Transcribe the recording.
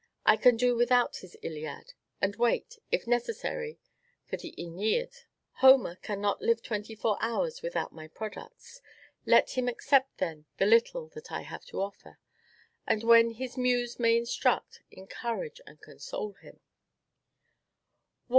I can do without his "Iliad," and wait, if necessary, for the "AEneid." Homer cannot live twenty four hours without my products. Let him accept, then, the little that I have to offer; and then his muse may instruct, encourage, and console me. "What!